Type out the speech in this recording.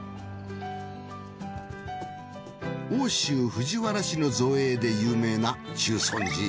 奥州藤原氏の造営で有名な中尊寺。